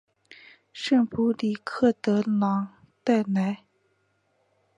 圣布里克德朗代莱。